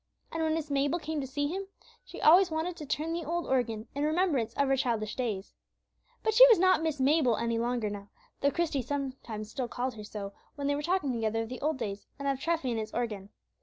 And when Miss Mabel came to see him, she always wanted to turn the old organ in remembrance of her childish days. She was not Miss Mabel any longer now, though Christie still sometimes called her so when they were talking together of the old days, and of Treffy and his organ.